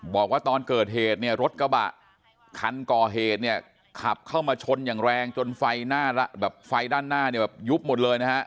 บอกว่าตอนเกิดเหตุเนี่ยรถกระบะคันก่อเหตุเนี่ยขับเข้ามาชนอย่างแรงจนไฟหน้าแบบไฟด้านหน้าเนี่ยแบบยุบหมดเลยนะฮะ